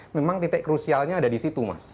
memang titik krusialnya ada di situ mas